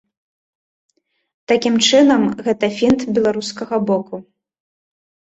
Такім чынам, гэта фінт беларускага боку.